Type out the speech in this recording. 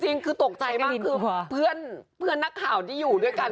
จริงคือตกใจมากคือเพื่อนนักข่าวที่อยู่ด้วยกัน